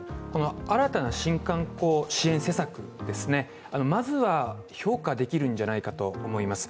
新たな新観光支援施策、まずは、評価できるんじゃないかと思います。